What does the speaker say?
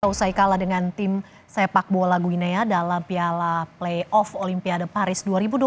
usai kalah dengan tim sepak bola guinea dalam piala playoff olimpiade paris dua ribu dua puluh